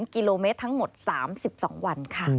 ๑๕๑๐๘๐กิโลเมตรทั้งหมด๓๒วันค่ะ